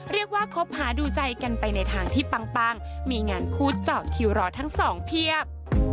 คบหาดูใจกันไปในทางที่ปังมีงานคู่เจาะคิวรอทั้งสองเพียบ